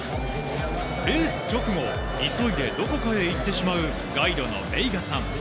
レース直後、急いでどこかへ行ってしまう、ガイドのベイガさん。